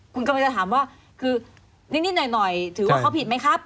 คุณกำลังจะถามว่าคือนิดหน่อยถือว่าเขาผิดไหมครับ